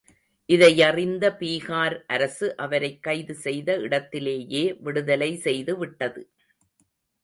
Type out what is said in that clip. இதையறிந்த பீகார் அரசு அவரைக் கைது செய்த இடத்திலேயே விடுதலை செய்து விட்டது.